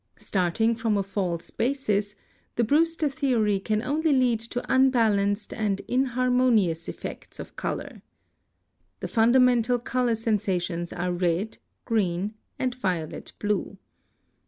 Starting from a false basis, the Brewster theory can only lead to unbalanced and inharmonious effects of color. The fundamental color sensations are RED, GREEN, and VIOLET BLUE.